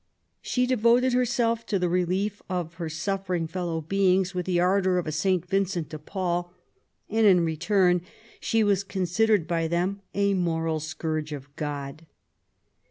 She devoted herself to the relief of her suflFering fellow beings with the ardour of a Saint Vincent de Paul, and in return she was considered by them a moral scourge of God.